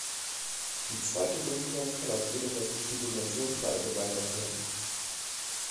Die zweite Grundform kann auf jede häusliche Dimension verallgemeinert werden.